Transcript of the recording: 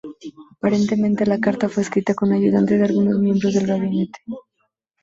Aparentemente la carta fue escrita con ayuda de algunos miembros del gabinete.